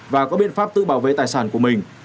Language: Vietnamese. và có biện pháp tự bảo vệ tài sản của mình